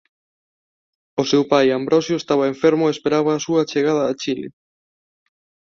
O seu pai Ambrosio estaba enfermo e esperaba a súa chegada a Chile.